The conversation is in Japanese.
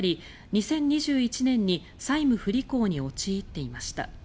２０２１年に債務不履行に陥っていました。